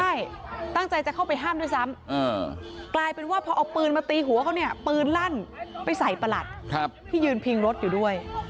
ใช่ตั้งใจจะเข้าไปห้ามด้วยซ้ำกลายเป็นว่าพอเอาปืนมาตีหัวเขาเนี่ยปืนลั่นไปใส่ประหลัดที่ยืนพิงรถอยู่ด้วย